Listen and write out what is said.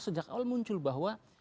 sejak awal muncul bahwa